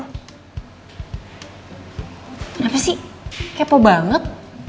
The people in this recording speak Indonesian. kenapa sih kepo banget